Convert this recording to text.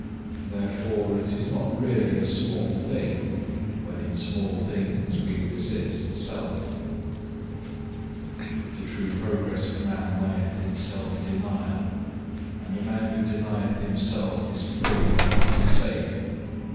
Therefore it is not really a small thing, when in small things we resist self." 4. The true progress of man lieth in self denial, and a man who denieth himself is free and safe.